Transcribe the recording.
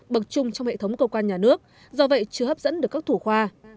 bậc chung trong hệ thống cơ quan nhà nước do vậy chưa hấp dẫn được các thủ khoa